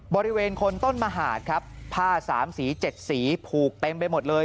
บริเวณคนต้นมหาดครับผ้าสามสี๗สีผูกเต็มไปหมดเลย